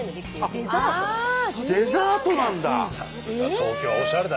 デザートなんだ。